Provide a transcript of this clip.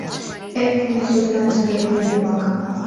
Эк, несознательный элемент-влак!